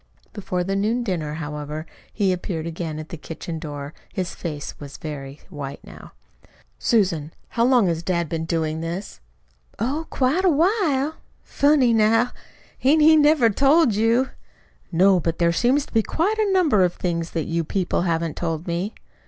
Before the noon dinner, however, he appeared again at the kitchen door. His face was very white now. "Susan, how long has dad been doing this?" "Oh, quite a while. Funny, now! Hain't he ever told you?" "No. But there seem to be quite a number of things that you people haven't told me."